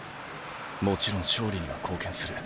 もちろん勝利には貢献する。